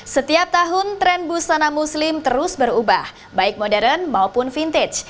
setiap tahun tren busana muslim terus berubah baik modern maupun vintage